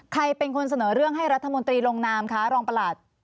ใครเป็นคนเสนอเรื่องให้รัฐมนตรีลงนามคะรองประหลัด